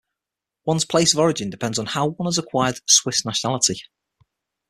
One's place of origin depends on how one has acquired Swiss nationality.